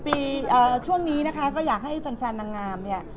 ปีช่วงนี้นะคะก็อยากให้แฟนนางงามเนี่ย